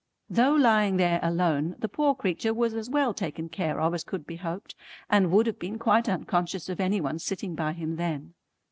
Though lying there alone, the poor creetur was as well taken care of as could be hoped, and would have been quite unconscious of any one's sitting by him then.